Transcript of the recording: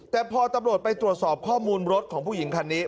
แต่พอตำรวจไปตรวจสอบข้อมูลรถของผู้หญิงคันนี้